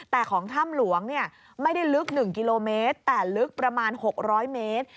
แต่ของถ้ำหลวงไม่ได้ลึก๑กิโลเมตรแต่ลึกประมาณ๖๐๐เมตร